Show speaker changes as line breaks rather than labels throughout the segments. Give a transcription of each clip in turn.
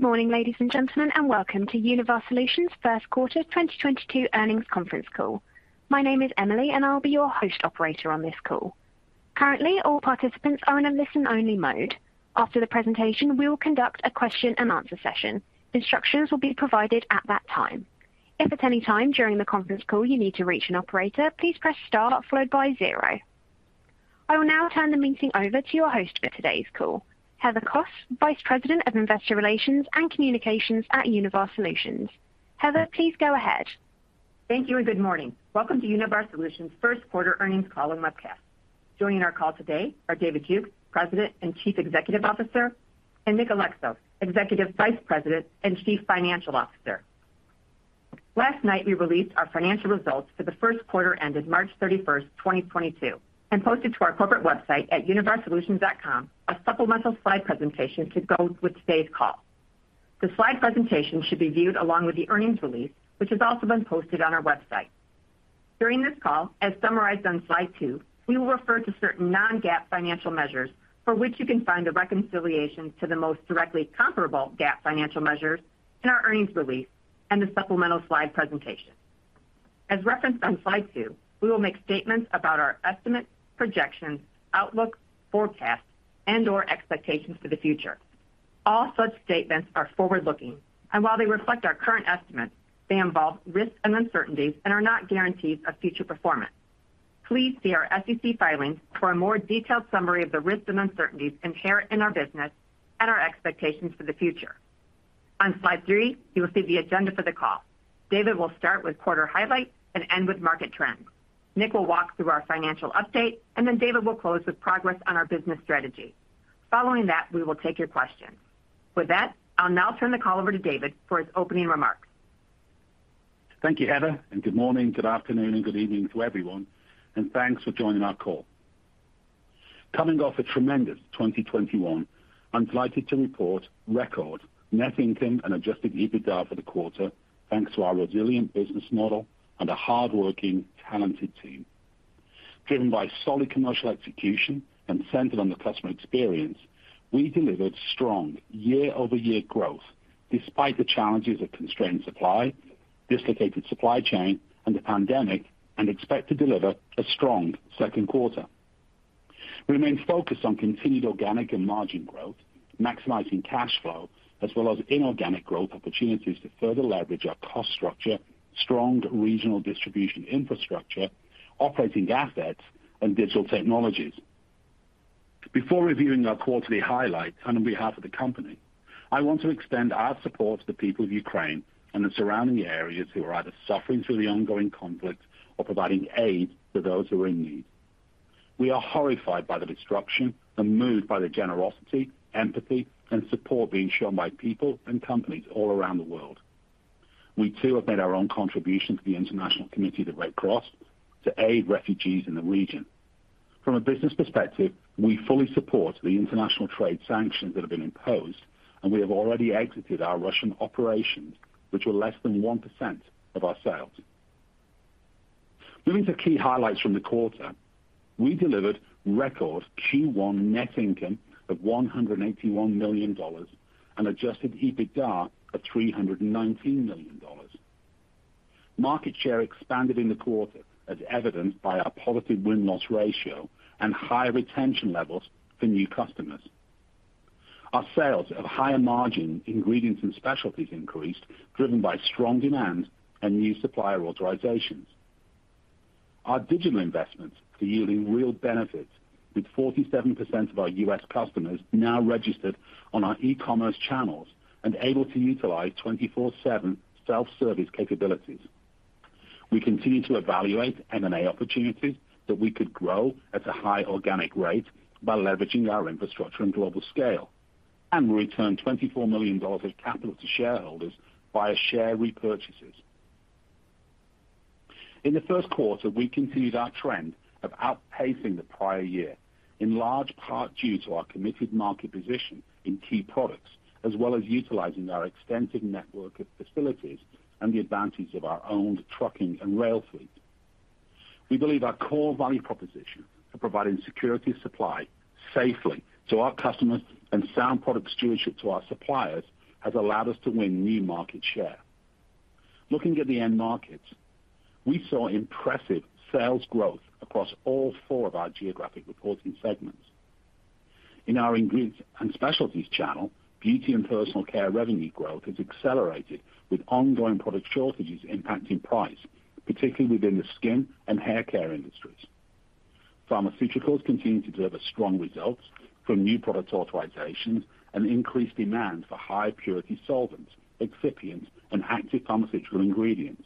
Good morning, ladies and gentlemen, and welcome to Univar Solutions' first quarter 2022 earnings conference call. My name is Emily, and I'll be your host operator on this call. Currently, all participants are in a listen-only mode. After the presentation, we will conduct a question-and-answer session. Instructions will be provided at that time. If at any time during the conference call you need to reach an operator, please press Star followed by zero. I will now turn the meeting over to your host for today's call, Heather Kos, Vice President of Investor Relations and Communications at Univar Solutions. Heather, please go ahead.
Thank you and good morning. Welcome to Univar Solutions first quarter earnings call and webcast. Joining our call today are David Jukes, President and Chief Executive Officer, and Nick Alexos, Executive Vice President and Chief Financial Officer. Last night, we released our financial results for the first quarter ended March 31, 2022, and posted to our corporate website at univarsolutions.com a supplemental slide presentation to go with today's call. The slide presentation should be viewed along with the earnings release, which has also been posted on our website. During this call, as summarized on slide two, we will refer to certain non-GAAP financial measures for which you can find a reconciliation to the most directly comparable GAAP financial measures in our earnings release and the supplemental slide presentation. As referenced on slide two, we will make statements about our estimates, projections, outlook, forecasts, and/or expectations for the future. All such statements are forward-looking, and while they reflect our current estimates, they involve risks and uncertainties and are not guarantees of future performance. Please see our SEC filings for a more detailed summary of the risks and uncertainties inherent in our business and our expectations for the future. On slide three, you will see the agenda for the call. David will start with quarter highlights and end with market trends. Nick will walk through our financial update, and then David will close with progress on our business strategy. Following that, we will take your questions. With that, I'll now turn the call over to David for his opening remarks.
Thank you, Heather, and good morning, good afternoon, and good evening to everyone, and thanks for joining our call. Coming off a tremendous 2021, I'm delighted to report record net income and adjusted EBITDA for the quarter, thanks to our resilient business model and a hardworking, talented team. Driven by solid commercial execution and centered on the customer experience, we delivered strong year-over-year growth despite the challenges of constrained supply, dislocated supply chain, and the pandemic, and expect to deliver a strong second quarter. We remain focused on continued organic and margin growth, maximizing cash flow, as well as inorganic growth opportunities to further leverage our cost structure, strong regional distribution infrastructure, operating assets, and digital technologies. Before reviewing our quarterly highlights on behalf of the company, I want to extend our support to the people of Ukraine and the surrounding areas who are either suffering through the ongoing conflict or providing aid to those who are in need. We are horrified by the destruction and moved by the generosity, empathy, and support being shown by people and companies all around the world. We, too, have made our own contribution to the International Committee of the Red Cross to aid refugees in the region. From a business perspective, we fully support the international trade sanctions that have been imposed, and we have already exited our Russian operations, which were less than 1% of our sales. Moving to key highlights from the quarter. We delivered record Q1 net income of $181 million and adjusted EBITDA of $319 million. Market share expanded in the quarter as evidenced by our positive win-loss ratio and high retention levels for new customers. Our sales of higher margin ingredients and specialties increased, driven by strong demand and new supplier authorizations. Our digital investments are yielding real benefits, with 47% of our U.S. customers now registered on our e-commerce channels and able to utilize 24/7 self-service capabilities. We continue to evaluate M&A opportunities that we could grow at a high organic rate by leveraging our infrastructure and global scale, and we returned $24 million of capital to shareholders via share repurchases. In the first quarter, we continued our trend of outpacing the prior year, in large part due to our committed market position in key products, as well as utilizing our extensive network of facilities and the advantage of our owned trucking and rail fleet. We believe our core value proposition of providing security of supply safely to our customers and sound product stewardship to our suppliers has allowed us to win new market share. Looking at the end markets, we saw impressive sales growth across all four of our geographic reporting segments. In our ingredients and specialties channel, beauty and personal care revenue growth has accelerated with ongoing product shortages impacting price, particularly within the skin and hair care industries. Pharmaceuticals continue to deliver strong results from new product authorizations and increased demand for high purity solvents, excipients, and active pharmaceutical ingredients.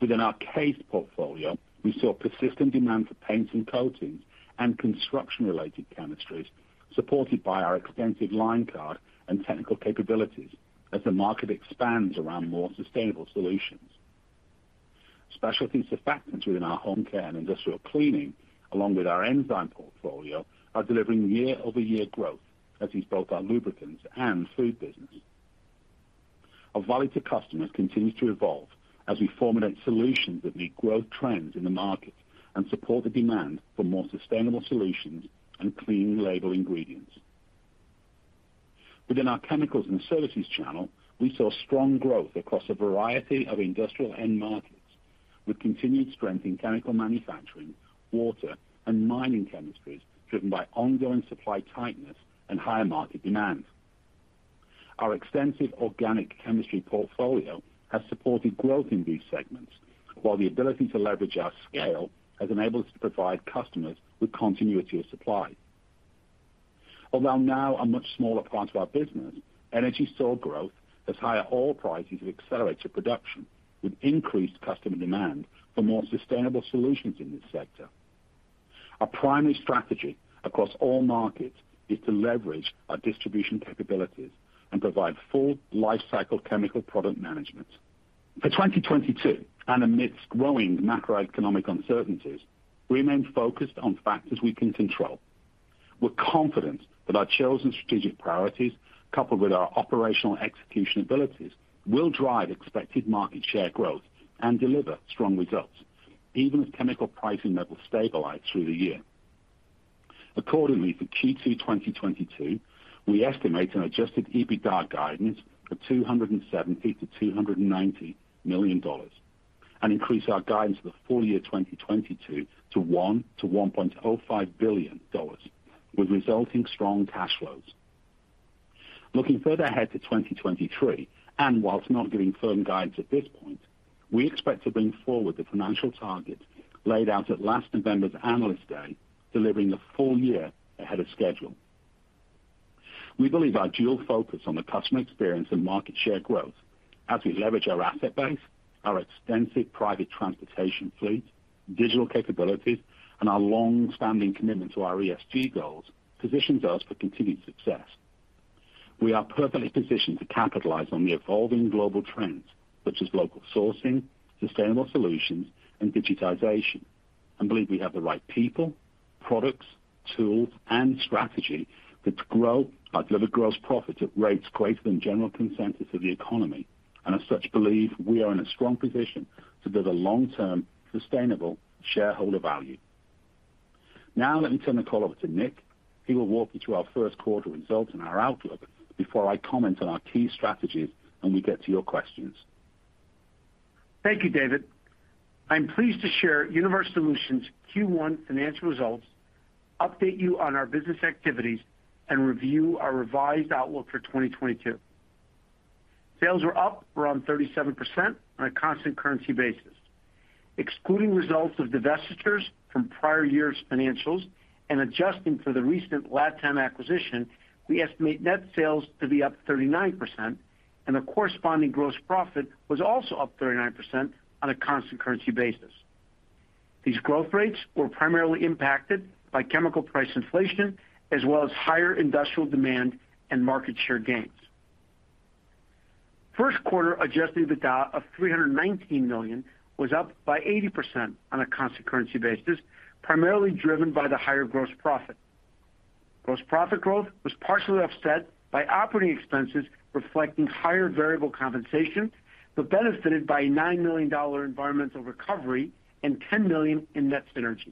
Within our CASE portfolio, we saw persistent demand for paints and coatings and construction-related chemistries supported by our extensive line card and technical capabilities as the market expands around more sustainable solutions. Specialty surfactants within our home care and industrial cleaning, along with our enzyme portfolio, are delivering year-over-year growth, as is both our lubricants and food business. Our value to customers continues to evolve as we formulate solutions that meet growth trends in the market and support the demand for more sustainable solutions and clean label ingredients. Within our chemicals and services channel, we saw strong growth across a variety of industrial end markets, with continued strength in chemical manufacturing, water and mining chemistries, driven by ongoing supply tightness and higher market demand. Our extensive organic chemistry portfolio has supported growth in these segments, while the ability to leverage our scale has enabled us to provide customers with continuity of supply. Although now a much smaller part of our business, energy saw growth as higher oil prices have accelerated production with increased customer demand for more sustainable solutions in this sector. Our primary strategy across all markets is to leverage our distribution capabilities and provide full life cycle chemical product management. For 2022, and amidst growing macroeconomic uncertainties, we remain focused on factors we can control. We're confident that our chosen strategic priorities, coupled with our operational execution abilities, will drive expected market share growth and deliver strong results, even as chemical pricing levels stabilize through the year. Accordingly, for Q2 2022, we estimate an adjusted EBITDA guidance of $270-$290 million, and increase our guidance for the full year 2022 to $1-$1.05 billion, with resulting strong cash flows. Looking further ahead to 2023, and while not giving firm guidance at this point, we expect to bring forward the financial targets laid out at last November's Analyst Day, delivering a full year ahead of schedule. We believe our dual focus on the customer experience and market share growth as we leverage our asset base, our extensive private transportation fleet, digital capabilities, and our long-standing commitment to our ESG goals positions us for continued success. We are perfectly positioned to capitalize on the evolving global trends such as local sourcing, sustainable solutions, and digitization, and believe we have the right people, products, tools, and strategy to grow or deliver gross profit at rates greater than general consensus of the economy, and as such believe we are in a strong position to build a long-term sustainable shareholder value. Now, let me turn the call over to Nick. He will walk you through our first quarter results and our outlook before I comment on our key strategies, and we get to your questions.
Thank you, David. I'm pleased to share Univar Solutions Q1 financial results, update you on our business activities, and review our revised outlook for 2022. Sales were up around 37% on a constant currency basis. Excluding results of divestitures from prior year's financials and adjusting for the recent Latam acquisition, we estimate net sales to be up 39%, and the corresponding gross profit was also up 39% on a constant currency basis. These growth rates were primarily impacted by chemical price inflation as well as higher industrial demand and market share gains. First quarter adjusted EBITDA of $319 million was up by 80% on a constant currency basis, primarily driven by the higher gross profit. Gross profit growth was partially offset by operating expenses reflecting higher variable compensation, but benefited by a $9 million environmental recovery and $10 million in net synergies.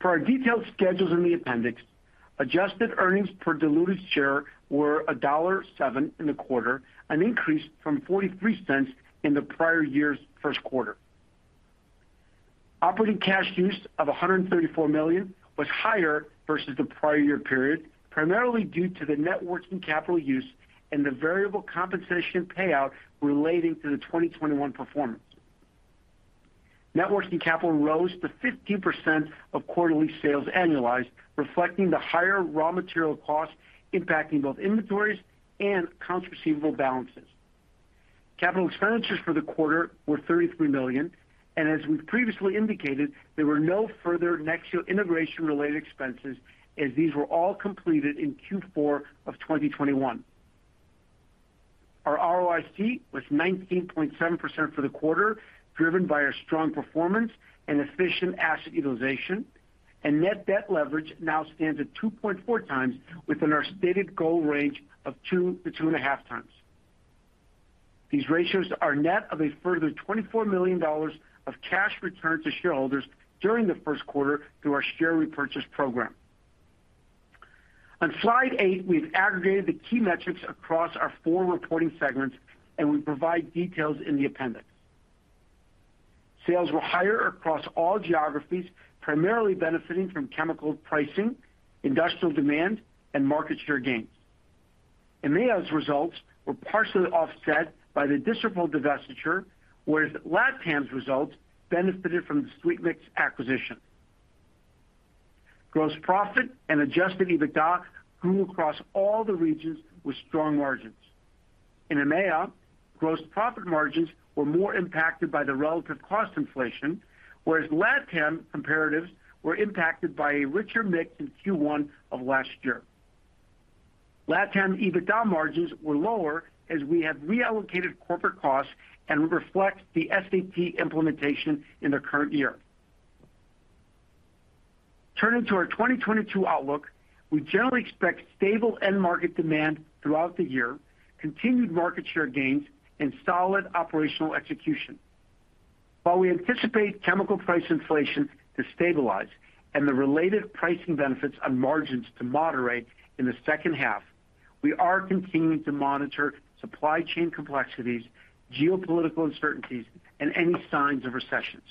Per our detailed schedules in the appendix, adjusted earnings per diluted share were $1.07 in the quarter, an increase from $0.43 in the prior year's first quarter. Operating cash use of $134 million was higher versus the prior year period, primarily due to the net working capital use and the variable compensation payout relating to the 2021 performance. Net working capital rose to 15% of quarterly sales annualized, reflecting the higher raw material cost impacting both inventories and accounts receivable balances. Capital expenditures for the quarter were $33 million, and as we've previously indicated, there were no further Nexeo integration-related expenses as these were all completed in Q4 of 2021. Our ROIC was 19.7% for the quarter, driven by our strong performance and efficient asset utilization. Net debt leverage now stands at 2.4x within our stated goal range of 2-2.5x. These ratios are net of a further $24 million of cash returned to shareholders during the first quarter through our share repurchase program. On slide eight, we've aggregated the key metrics across our four reporting segments, and we provide details in the appendix. Sales were higher across all geographies, primarily benefiting from chemical pricing, industrial demand, and market share gains. EMEA's results were partially offset by the Distrupol divestiture, whereas Latam's results benefited from the Sweetmix acquisition. Gross profit and adjusted EBITDA grew across all the regions with strong margins. In EMEA, gross profit margins were more impacted by the relative cost inflation, whereas Latam comparatives were impacted by a richer mix in Q1 of last year. Latam EBITDA margins were lower as we have reallocated corporate costs and reflect the SAP implementation in the current year. Turning to our 2022 outlook, we generally expect stable end market demand throughout the year, continued market share gains and solid operational execution. While we anticipate chemical price inflation to stabilize and the related pricing benefits on margins to moderate in the second half, we are continuing to monitor supply chain complexities, geopolitical uncertainties and any signs of recessions.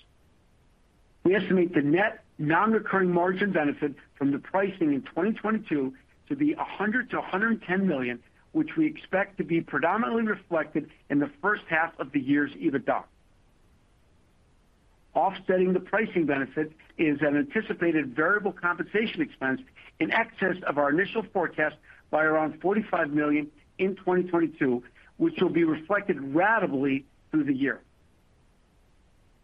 We estimate the net non-recurring margin benefit from the pricing in 2022 to be $100-$110 million, which we expect to be predominantly reflected in the first half of the year’s EBITDA. Offsetting the pricing benefit is an anticipated variable compensation expense in excess of our initial forecast by around $45 million in 2022, which will be reflected ratably through the year.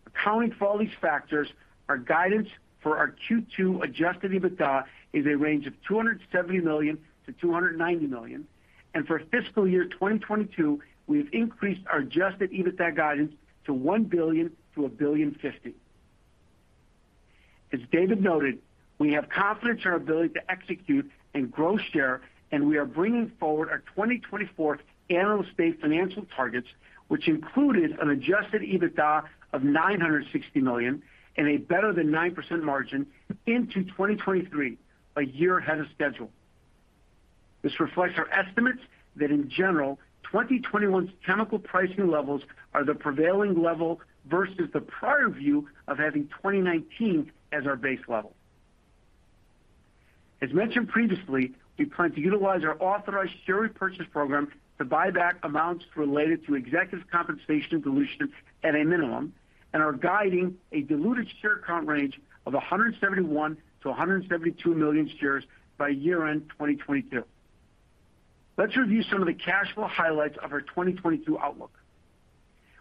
Accounting for all these factors, our guidance for our Q2 adjusted EBITDA is a range of $270 million-$290 million. For fiscal year 2022, we have increased our adjusted EBITDA guidance to $1 billion-$1.05 billion. As David noted, we have confidence in our ability to execute and grow share, and we are bringing forward our 2024 annual state financial targets, which included an adjusted EBITDA of $960 million and a better than 9% margin into 2023, a year ahead of schedule. This reflects our estimates that in general, 2021's chemical pricing levels are the prevailing level versus the prior view of having 2019 as our base level. As mentioned previously, we plan to utilize our authorized share repurchase program to buy back amounts related to executive compensation dilution at a minimum, and are guiding a diluted share count range of 171-172 million shares by year-end 2022. Let's review some of the cash flow highlights of our 2022 outlook.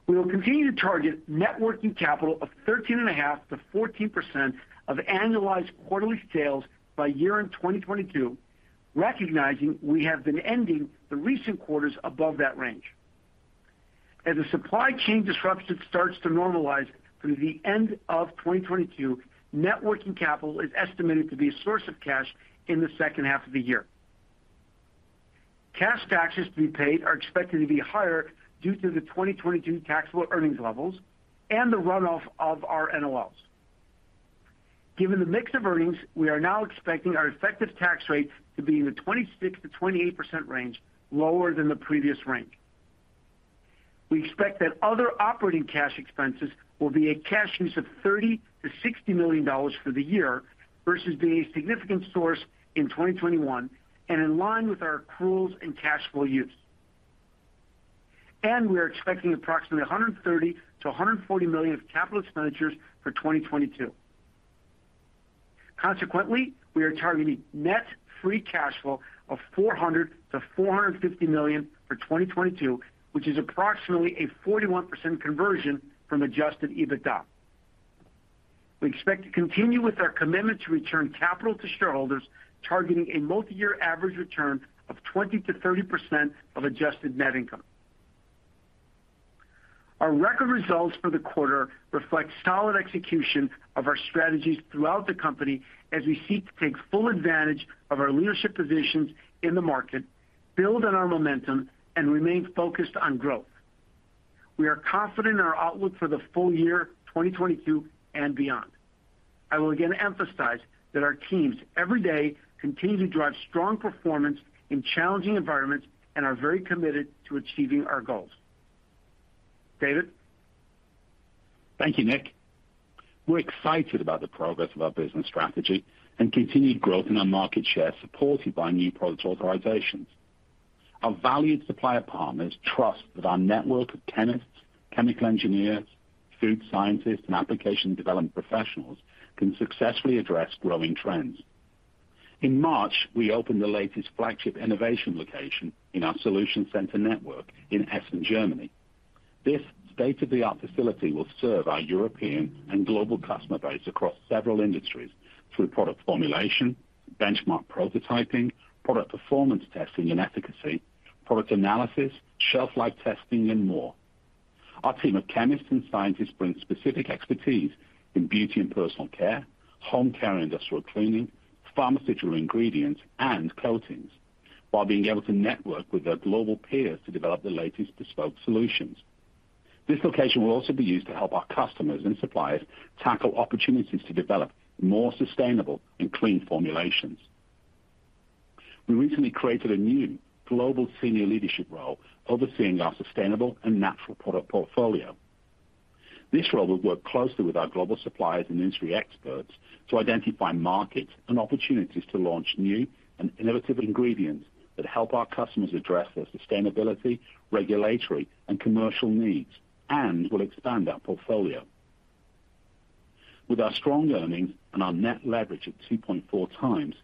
We will continue to target net working capital of 13.5%-14% of annualized quarterly sales by year-end 2022, recognizing we have been ending the recent quarters above that range. As the supply chain disruption starts to normalize through the end of 2022, net working capital is estimated to be a source of cash in the second half of the year. Cash taxes to be paid are expected to be higher due to the 2022 taxable earnings levels and the runoff of our NOLs. Given the mix of earnings, we are now expecting our effective tax rate to be in the 26%-28% range, lower than the previous range. We expect that other operating cash expenses will be a cash use of $30 million-$60 million for the year, versus being a significant source in 2021 and in line with our accruals and cash flow use. We are expecting approximately $130 million-$140 million of capital expenditures for 2022. Consequently, we are targeting net free cash flow of $400 million-$450 million for 2022, which is approximately a 41% conversion from adjusted EBITDA. We expect to continue with our commitment to return capital to shareholders, targeting a multiyear average return of 20%-30% of adjusted net income. Our record results for the quarter reflect solid execution of our strategies throughout the company as we seek to take full advantage of our leadership positions in the market, build on our momentum, and remain focused on growth. We are confident in our outlook for the full year 2022 and beyond. I will again emphasize that our teams every day continue to drive strong performance in challenging environments and are very committed to achieving our goals. David?
Thank you, Nick. We're excited about the progress of our business strategy and continued growth in our market share supported by new product authorizations. Our valued supplier partners trust that our network of chemists, chemical engineers, food scientists, and application development professionals can successfully address growing trends. In March, we opened the latest flagship innovation location in our solution center network in Essen, Germany. This state-of-the-art facility will serve our European and global customer base across several industries through product formulation, benchmark prototyping, product performance testing and efficacy, product analysis, shelf life testing, and more. Our team of chemists and scientists bring specific expertise in beauty and personal care, home care, industrial cleaning, pharmaceutical ingredients, and coatings, while being able to network with their global peers to develop the latest bespoke solutions. This location will also be used to help our customers and suppliers tackle opportunities to develop more sustainable and clean formulations. We recently created a new global senior leadership role overseeing our sustainable and natural product portfolio. This role will work closely with our global suppliers and industry experts to identify markets and opportunities to launch new and innovative ingredients that help our customers address their sustainability, regulatory, and commercial needs, and will expand our portfolio. With our strong earnings and our net leverage of 2.4x,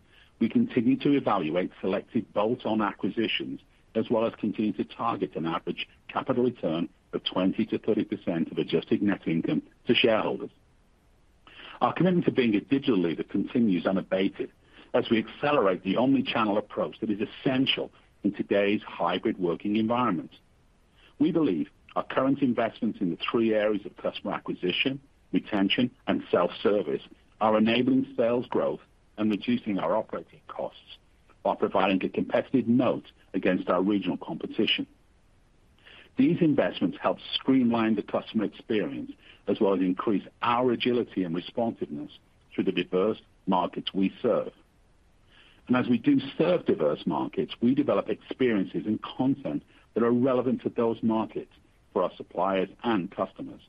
we continue to evaluate selected bolt-on acquisitions, as well as continue to target an average capital return of 20%-30% of adjusted net income to shareholders. Our commitment to being a digital leader continues unabated as we accelerate the omni-channel approach that is essential in today's hybrid working environment. We believe our current investments in the three areas of customer acquisition, retention, and self-service are enabling sales growth and reducing our operating costs while providing a competitive moat against our regional competition. These investments help streamline the customer experience as well as increase our agility and responsiveness through the diverse markets we serve. As we do serve diverse markets, we develop experiences and content that are relevant to those markets for our suppliers and customers.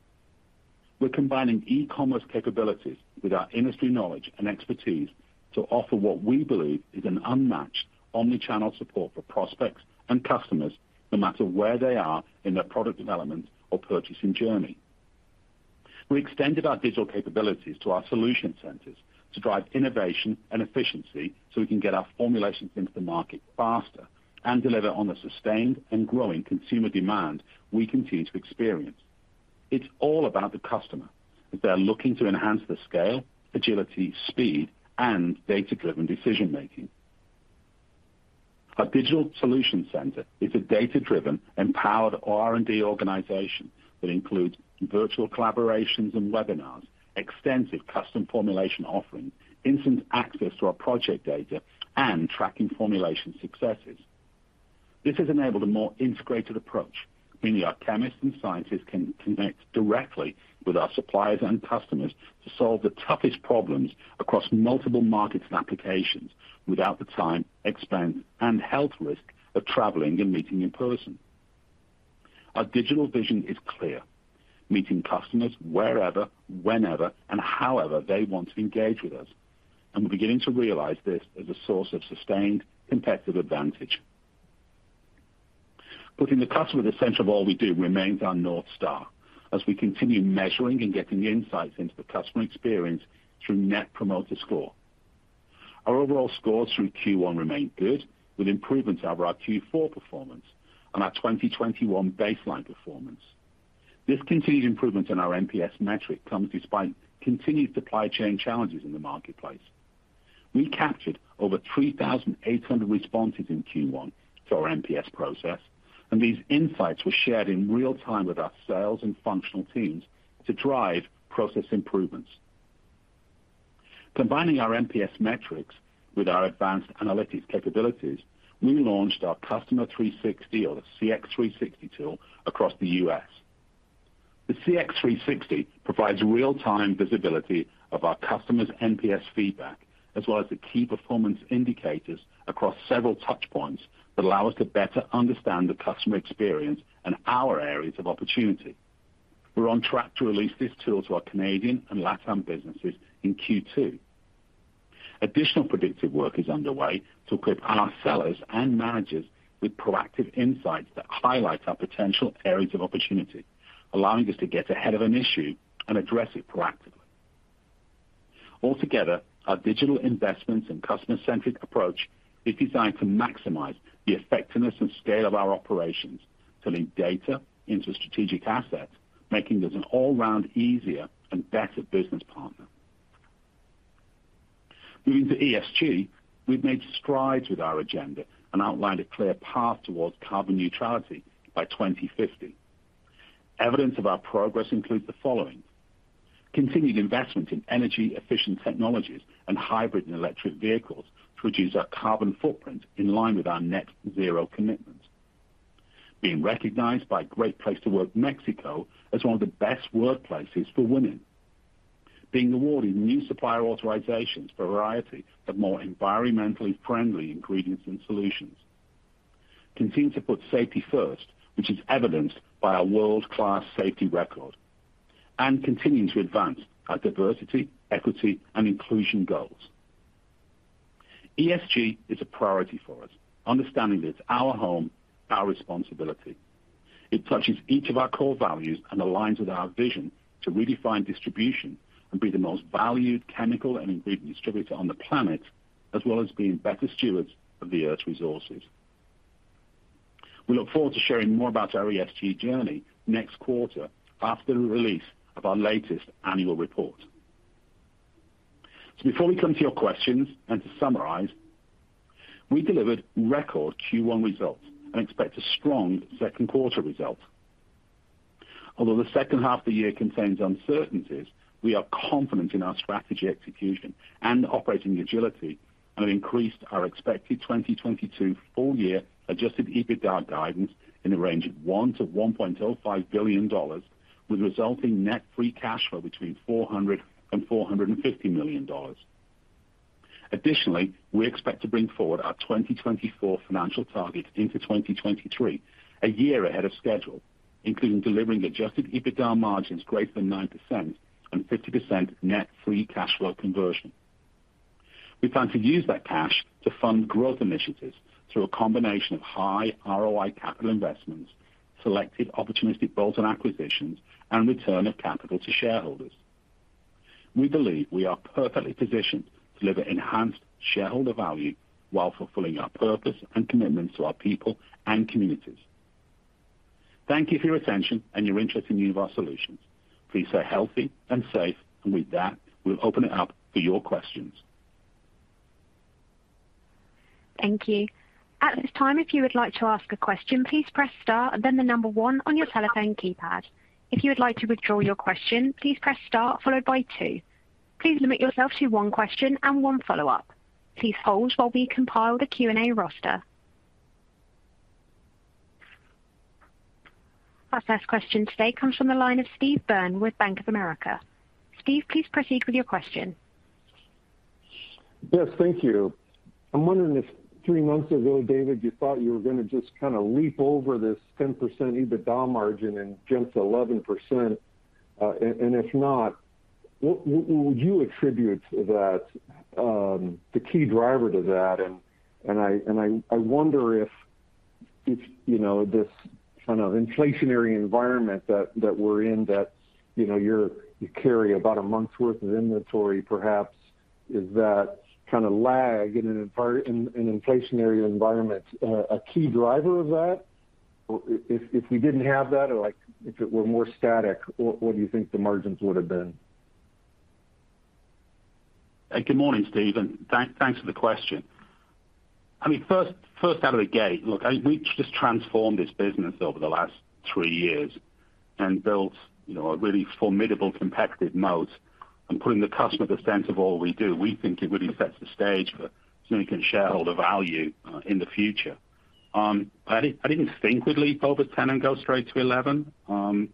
We're combining e-commerce capabilities with our industry knowledge and expertise to offer what we believe is an unmatched omni-channel support for prospects and customers, no matter where they are in their product development or purchasing journey. We extended our digital capabilities to our solution centers to drive innovation and efficiency so we can get our formulations into the market faster and deliver on the sustained and growing consumer demand we continue to experience. It's all about the customer, as they are looking to enhance the scale, agility, speed, and data-driven decision-making. Our digital solution center is a data-driven, empowered R&D organization that includes virtual collaborations and webinars, extensive custom formulation offerings, instant access to our project data, and tracking formulation successes. This has enabled a more integrated approach, meaning our chemists and scientists can connect directly with our suppliers and customers to solve the toughest problems across multiple markets and applications without the time, expense, and health risk of traveling and meeting in person. Our digital vision is clear: meeting customers wherever, whenever, and however they want to engage with us. We're beginning to realize this as a source of sustained competitive advantage. Putting the customer at the center of all we do remains our North Star as we continue measuring and getting insights into the customer experience through Net Promoter Score. Our overall scores through Q1 remain good, with improvements over our Q4 performance and our 2021 baseline performance. This continued improvement in our NPS metric comes despite continued supply chain challenges in the marketplace. We captured over 3,800 responses in Q1 for our NPS process, and these insights were shared in real time with our sales and functional teams to drive process improvements. Combining our NPS metrics with our advanced analytics capabilities, we launched our Customer 360, or CX360, tool across the U.S. The CX360 provides real-time visibility of our customers' NPS feedback, as well as the key performance indicators across several touch points that allow us to better understand the customer experience and our areas of opportunity. We're on track to release this tool to our Canadian and Latam businesses in Q2. Additional predictive work is underway to equip our sellers and managers with proactive insights that highlight our potential areas of opportunity, allowing us to get ahead of an issue and address it proactively. Altogether, our digital investments and customer-centric approach is designed to maximize the effectiveness and scale of our operations to link data into strategic assets, making us an all-round easier and better business partner. Moving to ESG, we've made strides with our agenda and outlined a clear path towards carbon neutrality by 2050. Evidence of our progress includes the following. Continued investment in energy-efficient technologies and hybrid and electric vehicles to reduce our carbon footprint in line with our net-zero commitments. Being recognized by Great Place to Work Mexico as one of the best workplaces for women. Being awarded new supplier authorizations for a variety of more environmentally friendly ingredients and solutions. Continue to put safety first, which is evidenced by our world-class safety record. Continuing to advance our diversity, equity, and inclusion goals. ESG is a priority for us. Understanding that it's our home, our responsibility. It touches each of our core values and aligns with our vision to redefine distribution and be the most valued chemical and ingredient distributor on the planet, as well as being better stewards of the Earth's resources. We look forward to sharing more about our ESG journey next quarter after the release of our latest annual report. Before we come to your questions and to summarize, we delivered record Q1 results and expect a strong second quarter result. Although the second half of the year contains uncertainties, we are confident in our strategy execution and operating agility and have increased our expected 2022 full-year adjusted EBITDA guidance in the range of $1-$1.05 billion with resulting net free cash flow between $400 milion and $450 million. Additionally, we expect to bring forward our 2024 financial targets into 2023, a year ahead of schedule, including delivering adjusted EBITDA margins greater than 9% and 50% net free cash flow conversion. We plan to use that cash to fund growth initiatives through a combination of high ROI capital investments, selective opportunistic bolt-on acquisitions, and return of capital to shareholders. We believe we are perfectly positioned to deliver enhanced shareholder value while fulfilling our purpose and commitments to our people and communities. Thank you for your attention and your interest in Univar Solutions. Please stay healthy and safe. With that, we'll open it up for your questions.
Thank you. At this time, if you would like to ask a question, please press Star and then the number one on your telephone keypad. If you would like to withdraw your question, please press Star followed by two. Please limit yourself to one question and one follow-up. Please hold while we compile the Q&A roster. Our first question today comes from the line of Steve Byrne with Bank of America. Steve, please proceed with your question.
Yes, thank you. I'm wondering if three months ago, David, you thought you were gonna just kinda leap over this 10% EBITDA margin and jump to 11%. If not, what would you attribute that, the key driver to that? I wonder if, you know, this kind of inflationary environment that we're in, that, you know, you carry about a month's worth of inventory perhaps, is that kinda lag in an inflationary environment a key driver of that? Or if we didn't have that or, like, if it were more static, what do you think the margins would have been?
Good morning, Steve, and thanks for the question. First out of the gate, we've just transformed this business over the last three years and built, you know, a really formidable competitive moats and putting the customer at the center of all we do. We think it really sets the stage for significant shareholder value in the future. I didn't think we'd leap over 10 and go straight to 11,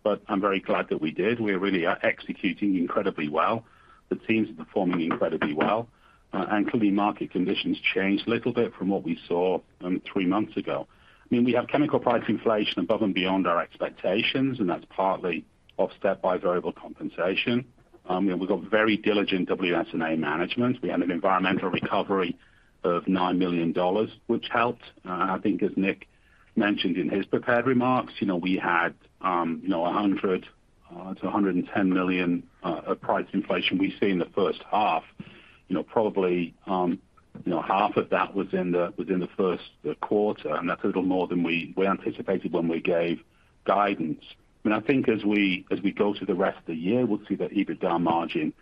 but I'm very glad that we did. We really are executing incredibly well. The teams are performing incredibly well. Clearly market conditions changed a little bit from what we saw three months ago. We have chemical price inflation above and beyond our expectations, and that's partly offset by variable compensation. You know, we've got very diligent WS&A management. We had an environmental recovery of $9 million, which helped. I think as Nick mentioned in his prepared remarks, you know, we had a $100-$110 million price inflation we see in the first half. You know, probably, you know, half of that was in the first quarter, and that's a little more than we anticipated when we gave guidance. I mean, I think as we go through the rest of the year, we'll see that EBITDA margin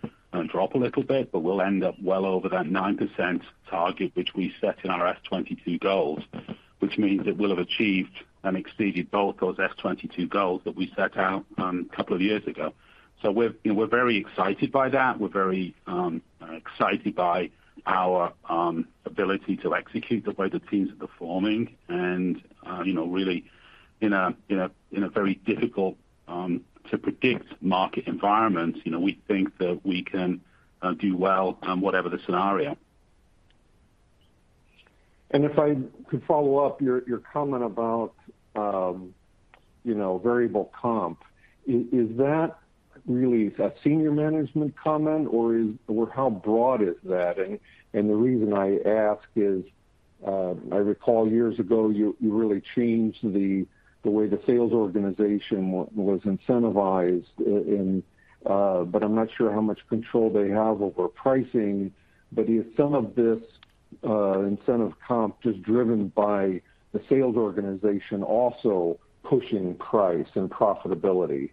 drop a little bit, but we'll end up well over that 9% target which we set in our S22 goals, which means that we'll have achieved and exceeded both those S22 goals that we set out a couple of years ago. We're very excited by that. We're very excited by our ability to execute the way the teams are performing and, you know, really in a very difficult to predict market environment. You know, we think that we can do well whatever the scenario.
If I could follow up your comment about variable comp. Is that really a senior management comment or how broad is that? The reason I ask is, I recall years ago you really changed the way the sales organization was incentivized in, but I'm not sure how much control they have over pricing. Is some of this incentive comp just driven by the sales organization also pushing price and profitability?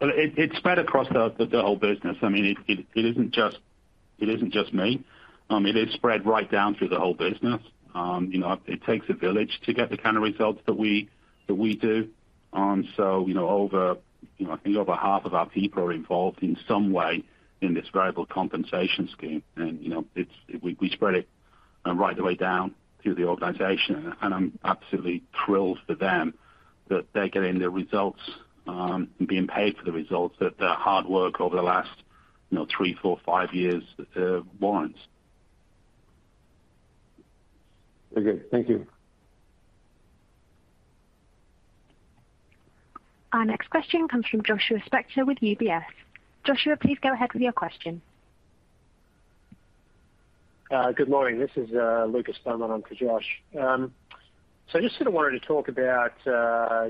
Well, it's spread across the whole business. I mean, it isn't just me. It is spread right down through the whole business. You know, it takes a village to get the kind of results that we do. You know, I think over half of our people are involved in some way in this variable compensation scheme. You know, we spread it right the way down through the organization. I'm absolutely thrilled for them that they're getting the results, being paid for the results that their hard work over the last, you know, 3, 4, 5 years warrants.
Very good. Thank you.
Our next question comes from Joshua Spector with UBS. Joshua, please go ahead with your question.
Good morning. This is Lucas Beaumont on for Josh. Just sort of wanted to talk about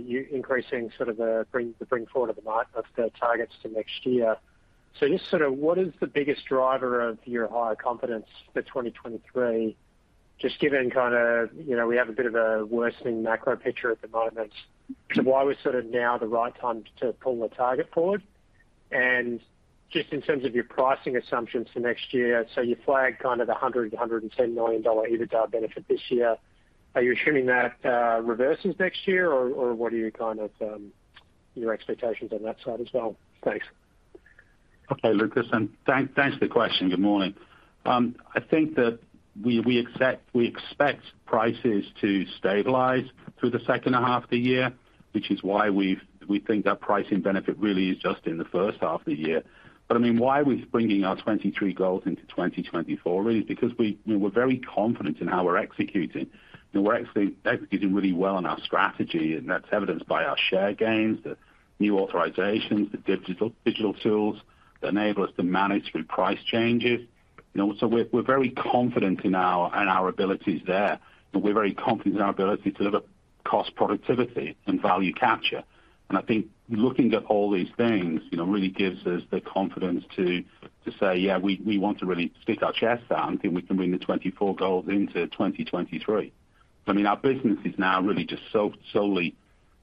you increasing sort of the bring forward of the targets to next year. Just sort of what is the biggest driver of your higher confidence for 2023, just given kind of, you know, we have a bit of a worsening macro picture at the moment. Why was sort of now the right time to pull the target forward? Just in terms of your pricing assumptions for next year, you flagged kind of the $100 million-$110 million EBITDA benefit this year. Are you assuming that reverses next year, or what are your kind of your expectations on that side as well? Thanks.
Okay, Lucas, thanks for the question. Good morning. I think that we expect prices to stabilize through the second half of the year, which is why we think our pricing benefit really is just in the first half of the year. I mean, why we're bringing our 2023 goals into 2024 really is because we, you know, we're very confident in how we're executing. You know, we're actually executing really well on our strategy, and that's evidenced by our share gains, the new authorizations, the digital tools that enable us to manage through price changes. You know, so we're very confident in our abilities there, and we're very confident in our ability to deliver cost productivity and value capture. I think looking at all these things, you know, really gives us the confidence to say, "Yeah, we want to really stick our chest out and think we can bring the 2024 goals into 2023." I mean, our business is now really just so solely,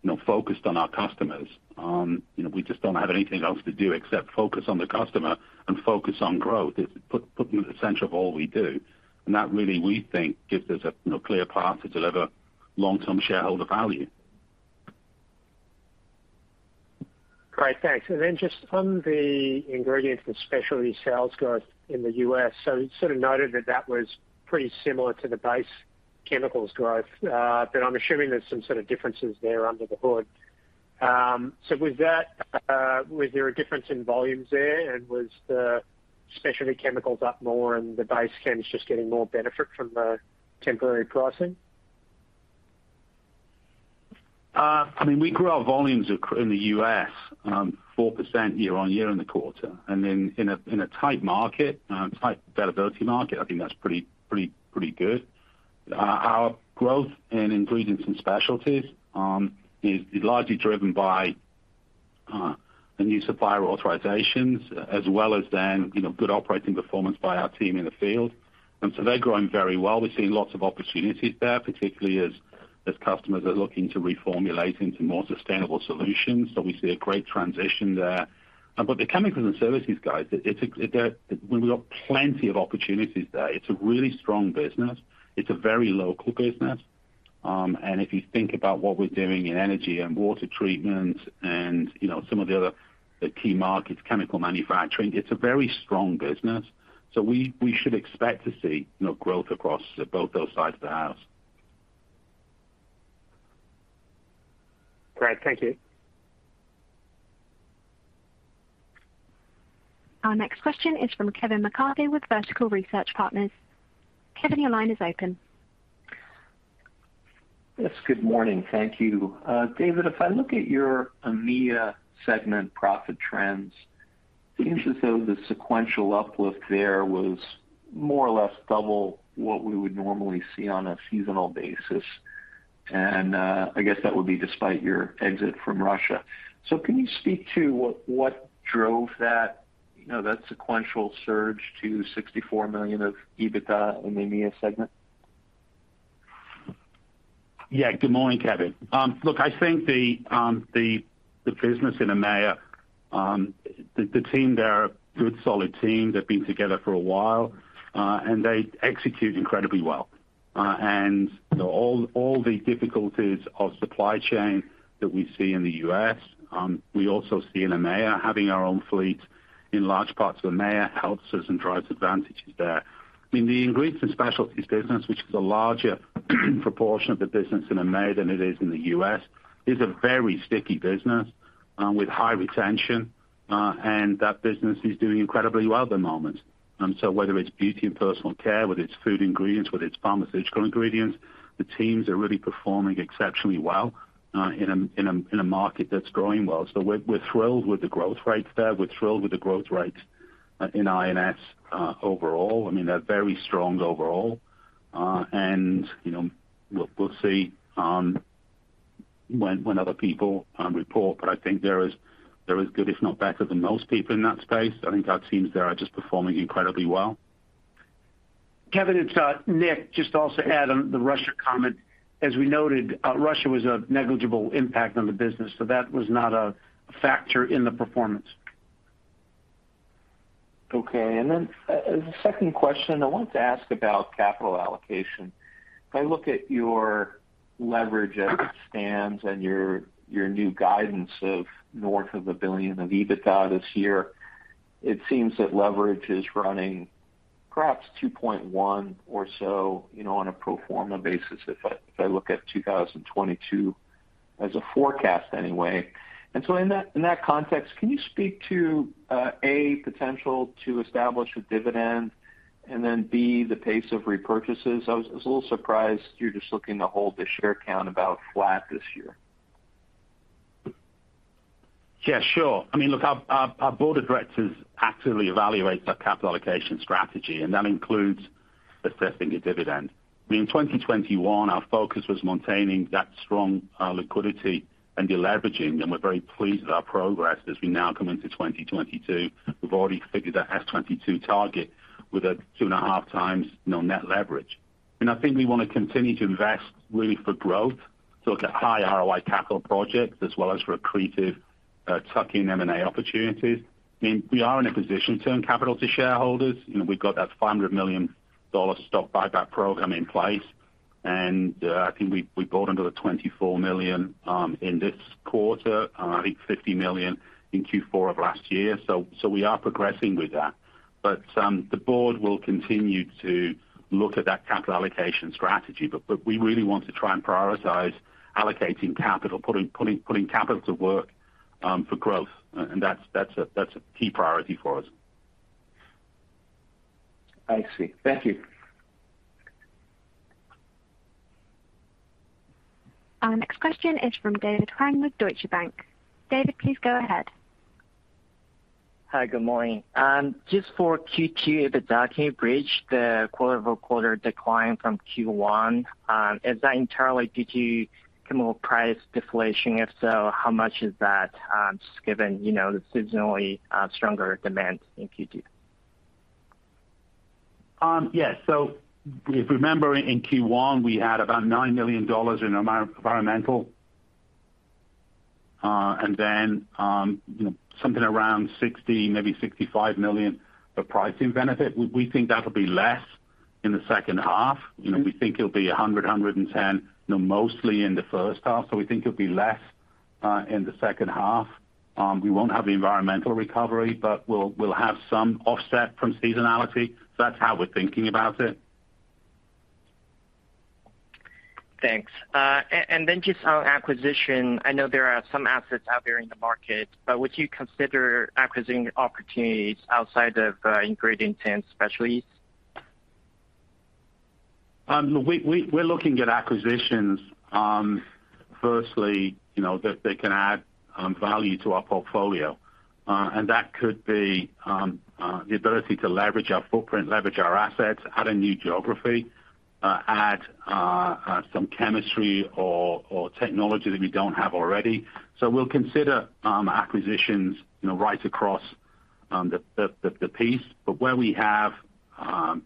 you know, focused on our customers. You know, we just don't have anything else to do except focus on the customer and focus on growth. It's put them at the center of all we do. That really, we think, gives us a, you know, clear path to deliver long-term shareholder value.
Great. Thanks. Just on the ingredients and specialty sales growth in the U.S. You sort of noted that that was pretty similar to the base chemicals growth. I'm assuming there's some sort of differences there under the hood. With that, was there a difference in volumes there? And was the specialty chemicals up more and the base chem is just getting more benefit from the temporary pricing?
I mean, we grew our volumes in the U.S. 4% year-on-year in the quarter. In a tight market, tight availability market, I think that's pretty good. Our growth in ingredients and specialties is largely driven by the new supplier authorizations as well as then, you know, good operating performance by our team in the field. They're growing very well. We're seeing lots of opportunities there, particularly as customers are looking to reformulate into more sustainable solutions. We see a great transition there. The chemicals and services guys, we've got plenty of opportunities there. It's a really strong business. It's a very local business. If you think about what we're doing in energy and water treatment and, you know, some of the other key markets, chemical manufacturing, it's a very strong business. We should expect to see, you know, growth across both those sides of the house.
Great. Thank you.
Our next question is from Kevin McCarthy with Vertical Research Partners. Kevin, your line is open.
Yes, good morning. Thank you. David, if I look at your EMEA segment profit trends, it seems as though the sequential uplift there was more or less double what we would normally see on a seasonal basis. I guess that would be despite your exit from Russia. Can you speak to what drove that, you know, that sequential surge to $64 million of EBITDA in the EMEA segment?
Yeah. Good morning, Kevin. Look, I think the business in EMEA, the team there are a good, solid team. They've been together for a while, and they execute incredibly well. All the difficulties of supply chain that we see in the U.S., we also see in EMEA. Having our own fleet in large parts of EMEA helps us and drives advantages there. I mean, the ingredients and specialties business, which is a larger proportion of the business in EMEA than it is in the U.S., is a very sticky business with high retention. That business is doing incredibly well at the moment. Whether it's beauty and personal care, whether it's food ingredients, whether it's pharmaceutical ingredients, the teams are really performing exceptionally well in a market that's growing well. We're thrilled with the growth rates there. We're thrilled with the growth rates in I&S overall. I mean, they're very strong overall. You know, we'll see when other people report, but I think they're as good, if not better than most people in that space. I think our teams there are just performing incredibly well.
Kevin, it's Nick. Just also add on the Russia comment. As we noted, Russia was a negligible impact on the business, so that was not a factor in the performance.
Okay. As a second question, I wanted to ask about capital allocation. If I look at your leverage as it stands and your new guidance of north of $1 billion of EBITDA this year, it seems that leverage is running perhaps 2.1x or so, you know, on a pro forma basis if I look at 2022 as a forecast anyway. In that context, can you speak to A, potential to establish a dividend and then B, the pace of repurchases? I was a little surprised you're just looking to hold the share count about flat this year.
Yeah, sure. I mean, look, our board of directors actively evaluates our capital allocation strategy, and that includes assessing a dividend. I mean, in 2021, our focus was maintaining that strong liquidity and deleveraging, and we're very pleased with our progress as we now come into 2022. We've already figured our FY 2022 target with a 2.5x, you know, net leverage. I think we wanna continue to invest really for growth. Look at high ROI capital projects as well as for accretive tuck-in M&A opportunities. I mean, we are in a position to return capital to shareholders. You know, we've got that $500 million stock buyback program in place. I think we bought under the $24 million in this quarter, and I think $50 million in Q4 of last year. We are progressing with that. The board will continue to look at that capital allocation strategy. We really want to try and prioritize allocating capital, putting capital to work for growth. That's a key priority for us.
I see. Thank you.
Our next question is from David Huang with Deutsche Bank. David, please go ahead.
Hi. Good morning. Just for Q2 EBITDA, can you bridge the quarter-over-quarter decline from Q1? Is that entirely due to chemical price deflation? If so, how much is that, just given, you know, the seasonally stronger demand in Q2?
Yes. If you remember in Q1, we had about $9 million in environmental, and then, you know, something around $60 million, maybe $65 million of pricing benefit. We think that'll be less in the second half. You know, we think it'll be $110 million, you know, mostly in the first half. We think it'll be less in the second half. We won't have the environmental recovery, but we'll have some offset from seasonality. That's how we're thinking about it.
Thanks. Just on acquisition, I know there are some assets out there in the market, but would you consider acquisition opportunities outside of ingredients and specialties?
We're looking at acquisitions, firstly, you know, that they can add value to our portfolio. That could be the ability to leverage our footprint, leverage our assets, add a new geography, add some chemistry or technology that we don't have already. We'll consider acquisitions, you know, right across the piece. Where we have a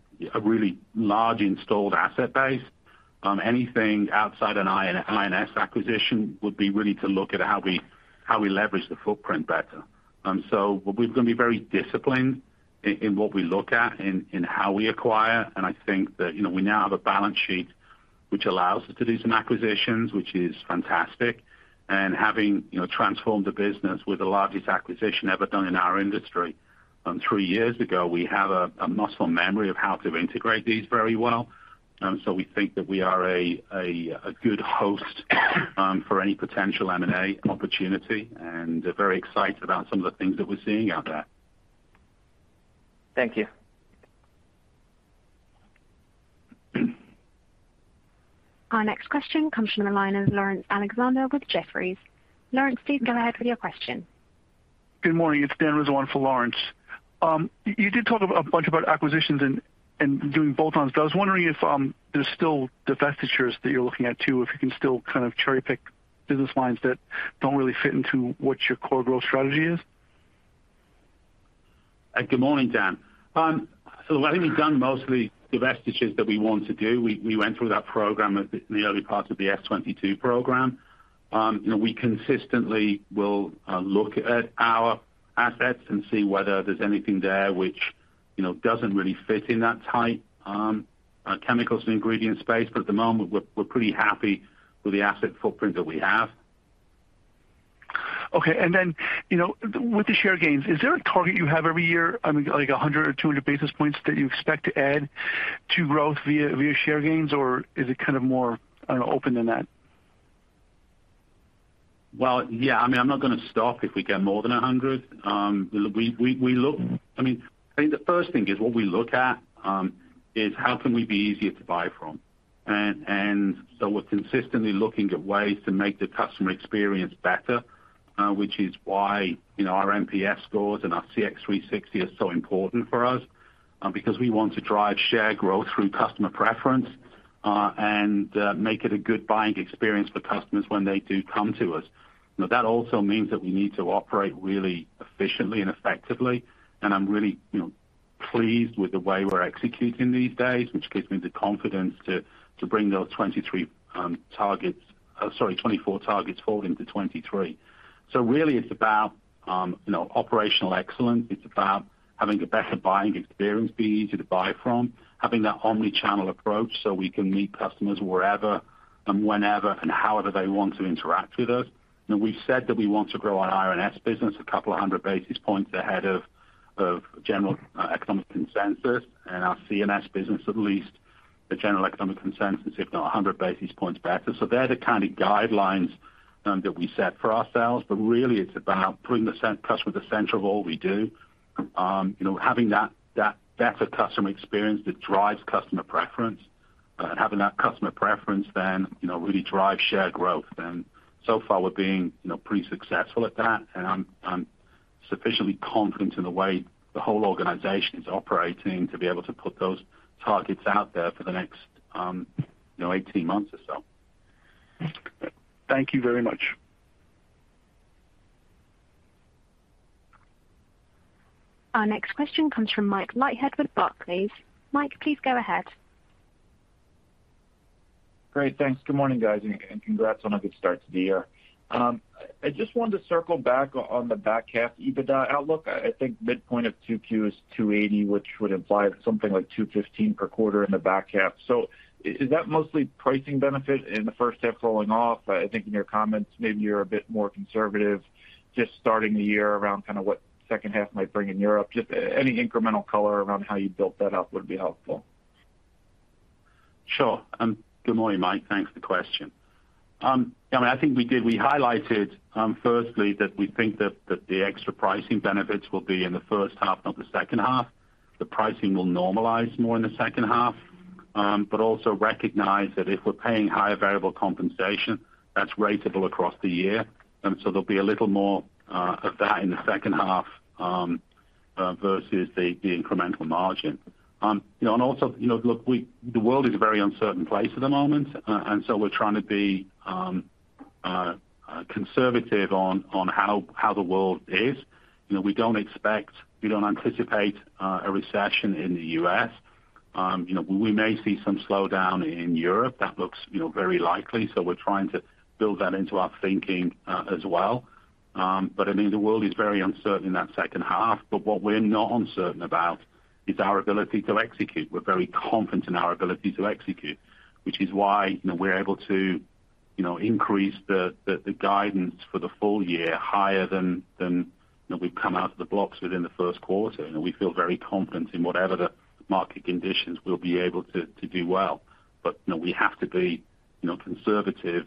really large installed asset base, anything outside an I&S acquisition would be really to look at how we leverage the footprint better. We're gonna be very disciplined in what we look at, in how we acquire. I think that, you know, we now have a balance sheet which allows us to do some acquisitions, which is fantastic. Having, you know, transformed the business with the largest acquisition ever done in our industry three years ago, we have a good host for any potential M&A opportunity, and very excited about some of the things that we're seeing out there.
Thank you.
Our next question comes from the line of Laurence Alexander with Jefferies. Laurence, please go ahead with your question.
Good morning. It's Dan Rizzo for Laurence. You did talk a bunch about acquisitions and doing bolt-ons, but I was wondering if there's still divestitures that you're looking at too, if you can still kind of cherry-pick business lines that don't really fit into what your core growth strategy is.
Good morning, Dan. I think we've done mostly divestitures that we want to do. We went through that program in the early parts of the S22 program. You know, we consistently will look at our assets and see whether there's anything there which you know doesn't really fit in that tight chemicals and ingredients space. At the moment, we're pretty happy with the asset footprint that we have.
Okay. You know, with the share gains, is there a target you have every year? I mean, like 100 or 200 basis points that you expect to add to growth via share gains? Or is it kind of more, I don't know, open than that?
Well, yeah. I mean, I'm not gonna stop if we get more than 100. We look—I mean, I think the first thing is what we look at is how can we be easier to buy from? So we're consistently looking at ways to make the customer experience better, which is why, you know, our NPS scores and our CX360 are so important for us, because we want to drive share growth through customer preference and make it a good buying experience for customers when they do come to us. You know, that also means that we need to operate really efficiently and effectively, and I'm really, you know, pleased with the way we're executing these days, which gives me the confidence to bring those 23 targets—or sorry, 24 targets forward into 2023. Really it's about, you know, operational excellence. It's about having a better buying experience, be easy to buy from, having that omni-channel approach so we can meet customers wherever and whenever and however they want to interact with us. You know, we've said that we want to grow our I&S business a couple of hundred basis points ahead of general economic consensus and our C&S business, at least the general economic consensus, if not a hundred basis points better. They're the kind of guidelines that we set for ourselves, but really it's about putting the customer at the center of all we do. You know, having that better customer experience that drives customer preference. And having that customer preference then, you know, really drive share growth. So far, we're being, you know, pretty successful at that. I'm sufficiently confident in the way the whole organization is operating to be able to put those targets out there for the next, you know, 18 months or so.
Thank you very much.
Our next question comes from Mike Leithead with Barclays. Mike, please go ahead.
Great. Thanks. Good morning, guys, and congrats on a good start to the year. I just wanted to circle back on the back half EBITDA outlook. I think midpoint of Q2 is 280, which would imply something like 215 per quarter in the back half. Is that mostly pricing benefit in the first half rolling off? I think in your comments, maybe you're a bit more conservative just starting the year around kind of what second half might bring in Europe. Any incremental color around how you built that up would be helpful.
Sure. Good morning, Mike. Thanks for the question. I mean, I think we highlighted firstly that we think that the extra pricing benefits will be in the first half, not the second half. The pricing will normalize more in the second half. Also recognize that if we're paying higher variable compensation, that's ratable across the year. There'll be a little more of that in the second half versus the incremental margin. You know, and also, you know, look, the world is a very uncertain place at the moment. We're trying to be conservative on how the world is. You know, we don't expect, we don't anticipate a recession in the U.S. You know, we may see some slowdown in Europe that looks, you know, very likely, so we're trying to build that into our thinking, as well. I mean, the world is very uncertain in that second half, but what we're not uncertain about is our ability to execute. We're very confident in our ability to execute, which is why, you know, we're able to, you know, increase the guidance for the full year higher than, you know, we've come out of the blocks within the first quarter. You know, we feel very confident in whatever the market conditions we'll be able to do well. You know, we have to be, you know, conservative,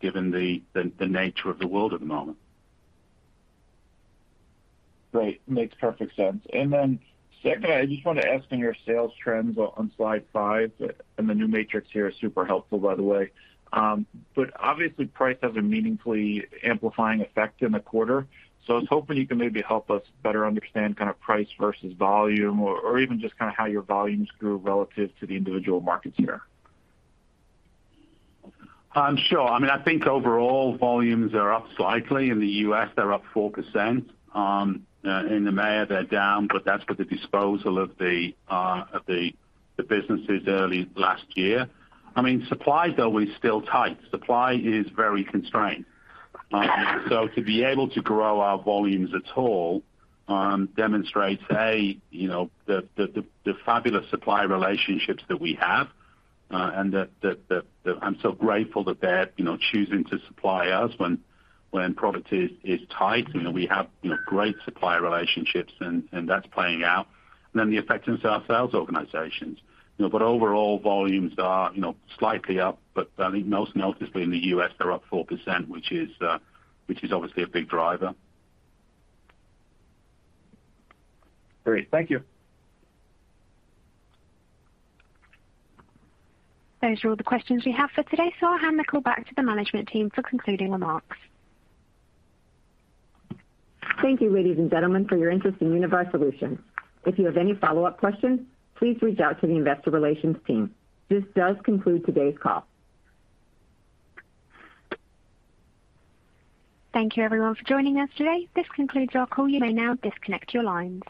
given the nature of the world at the moment.
Great. Makes perfect sense. Then secondly, I just wanna ask on your sales trends on slide five, and the new matrix here is super helpful, by the way. But obviously price has a meaningfully amplifying effect in the quarter. I was hoping you can maybe help us better understand kinda price versus volume or even just kinda how your volumes grew relative to the individual markets here.
Sure. I mean, I think overall volumes are up slightly. In the U.S. they're up 4%. In EMEA they're down, but that's with the disposal of the businesses early last year. I mean, supply though is still tight. Supply is very constrained. So to be able to grow our volumes at all demonstrates A, you know, the fabulous supply relationships that we have, and that I'm so grateful that they're, you know, choosing to supply us when product is tight and we have, you know, great supplier relationships and that's playing out. Then the effectiveness of our sales organizations. You know, overall volumes are, you know, slightly up, but I think most noticeably in the U.S., they're up 4%, which is obviously a big driver.
Great. Thank you.
Those are all the questions we have for today, so I'll hand the call back to the management team for concluding remarks.
Thank you, ladies and gentlemen, for your interest in Univar Solutions. If you have any follow-up questions, please reach out to the investor relations team. This does conclude today's call.
Thank you everyone for joining us today. This concludes our call. You may now disconnect your lines.